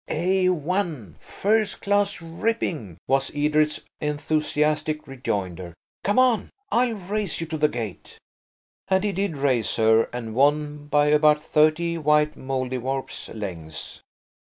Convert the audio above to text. "A1, first class, ripping!" was Edred's enthusiastic rejoinder. "Come on–I'll race you to the gate." He did race her, and won by about thirty white Mouldiwarp's lengths.